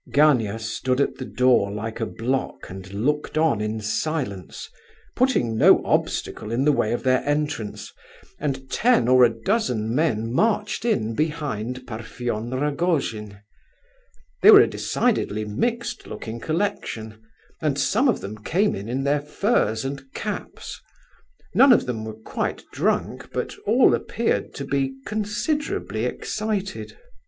Gania stood at the door like a block and looked on in silence, putting no obstacle in the way of their entrance, and ten or a dozen men marched in behind Parfen Rogojin. They were a decidedly mixed looking collection, and some of them came in in their furs and caps. None of them were quite drunk, but all appeared to be considerably excited.